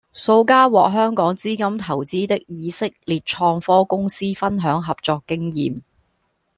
數家獲香港資金投資的以色列創科公司分享合作經驗